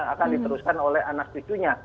akan diteruskan oleh anak cucunya